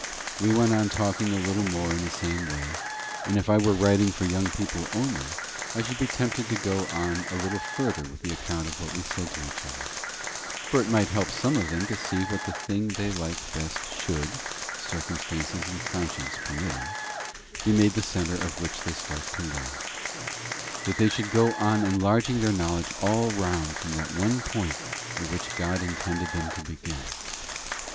We went on talking a little more in the same way, and if I were writing for young people only, I should be tempted to go on a little farther with the account of what we said to each other; for it might help some of them to see that the thing they like best should, circumstances and conscience permitting, be made the centre from which they start to learn; that they should go on enlarging their knowledge all round from that one point at which God intended them to begin.